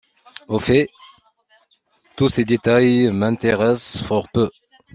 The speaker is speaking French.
Au fait, tous ces détails m’intéressent fort peu.